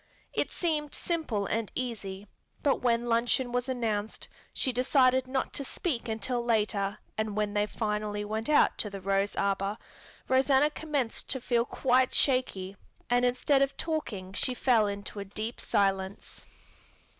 It seemed simple and easy, but when luncheon was announced, she decided not to speak until later and when finally they went out to the rose arbor, Rosanna commenced to feel quite shaky and instead of talking she fell into a deep silence.